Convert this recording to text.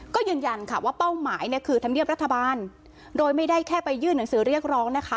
ก็ยืนยันค่ะว่าเป้าหมายเนี่ยคือธรรมเนียบรัฐบาลโดยไม่ได้แค่ไปยื่นหนังสือเรียกร้องนะคะ